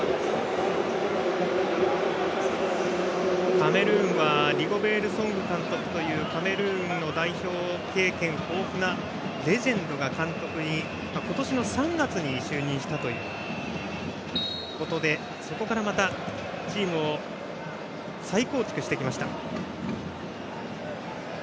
カメルーンはリゴベール・ソング監督というカメルーンの代表経験豊富なレジェンドが監督に今年の３月に就任したということでそこからまたチームを再構築してきました。